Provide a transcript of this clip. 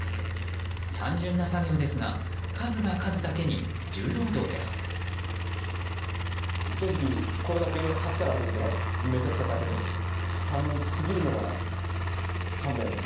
単純な作業ですが数が数だけに重労働です。